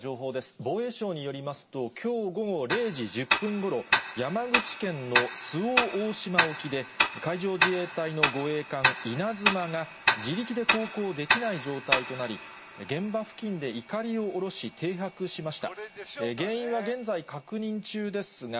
防衛省によりますと、きょう午後０時１０分ごろ、山口県の周防大島沖で、海上自衛隊の護衛艦いなづまが自力で航行できない状態となり、現場付近でいかりを下ろし、停泊しました。